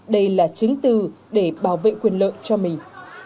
đây là chứng từ để bảo vệ quyền lợi cho mình